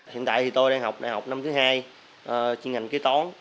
hiện tại thì tôi đang học đại học năm thứ hai chuyên ngành kế tón